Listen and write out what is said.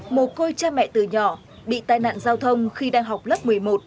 một cô cha mẹ từ nhỏ bị tai nạn giao thông khi đang học lớp một mươi một